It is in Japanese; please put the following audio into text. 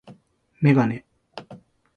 メガネ